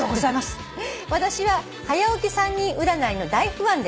「私ははや起き３人占いの大ファンです」